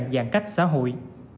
giãn cách xã hội